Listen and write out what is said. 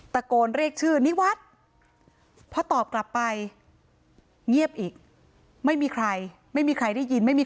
ตะโกนเรียกชื่อนิวัฒน์พอตอบกลับไปเงียบอีกไม่มีใครไม่มีใครได้ยินไม่มี